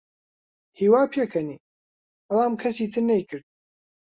هیوا پێکەنی، بەڵام کەسی تر نەیکرد.